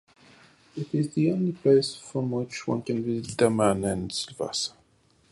It is the only place from which one can visit Daman and Silvassa.